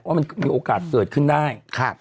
ว่ามันมีโอกาสเกิดขึ้นได้